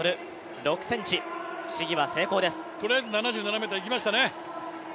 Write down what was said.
とりあえず７７ｍはいきましたね。